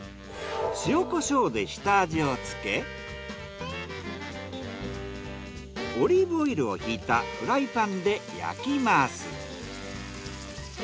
塩・コショウで下味をつけオリーブオイルをひいたフライパンで焼きます。